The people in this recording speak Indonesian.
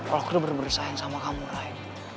kalau aku udah bener bener sayang sama kamu ray